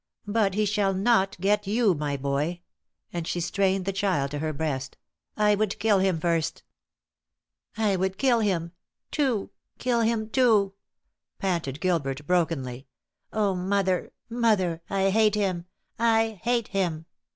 But he shall not I get you, my boy," and she strained the child to her breast. "I would kill him first!" "I would kill him, too kill him, too!" panted Gilbert, brokenly. "Oh, mother, mother! I hate him! I hate him!"